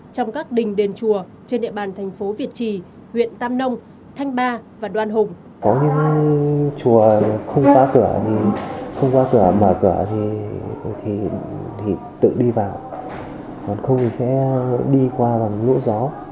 trong các đình đền chùa trên địa bàn thành phố việt trì huyện tam nông thanh ba và đoan hùng